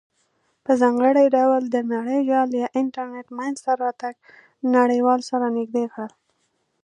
په ځانګړې ډول د نړیجال یا انټرنیټ مینځ ته راتګ نړیوال سره نزدې کړل.